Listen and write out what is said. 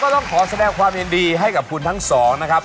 ต้องขอแสดงความยินดีให้กับคุณทั้งสองนะครับ